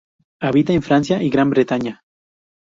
Habita en Francia y Gran Bretaña.